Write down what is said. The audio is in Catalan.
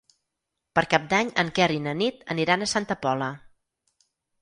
Per Cap d'Any en Quer i na Nit aniran a Santa Pola.